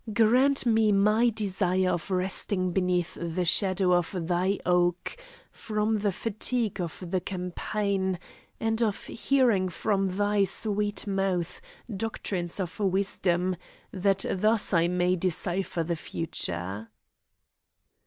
Grant me my desire of resting beneath the shadow of thy oak, from the fatigue of the campaign, and of hearing from thy sweet mouth doctrines of wisdom, that thus I may decipher the future."